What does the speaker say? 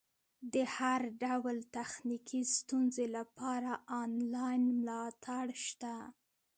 د هر ډول تخنیکي ستونزې لپاره انلاین ملاتړ شته.